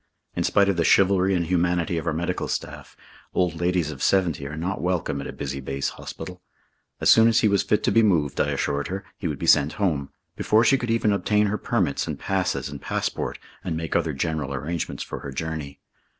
In spite of the chivalry and humanity of our medical staff, old ladies of seventy are not welcome at a busy base hospital. As soon as he was fit to be moved, I assured her, he would be sent home, before she could even obtain her permits and passes and passport and make other general arrangements for her journey.